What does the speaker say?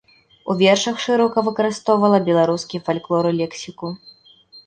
У вершах шырока выкарыстоўвала беларускі фальклор і лексіку.